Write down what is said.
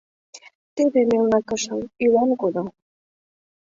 Теве «мелна кышыл» ӱлан кодо.